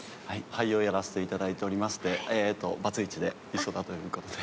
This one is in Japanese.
俳優をやらせていただいておりましてバツイチで一緒だという事で。